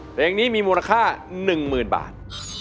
เพลงนี้มีมูลค่า๑๐๐๐บาท